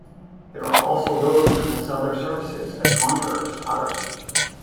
There are also those who will sell their services as conjurers to others.